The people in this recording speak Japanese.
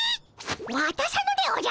わたさぬでおじゃるっ！